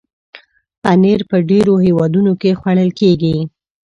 پنېر په ډېرو هېوادونو کې خوړل کېږي.